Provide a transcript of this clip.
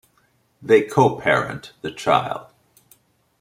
They co-parent the child.